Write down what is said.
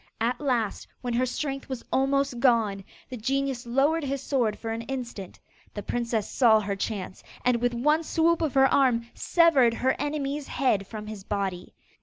At last, when her strength was almost gone, the genius lowered his sword for an instant. The princess saw her chance, and, with one swoop of her arm, severed her enemy's head from his body.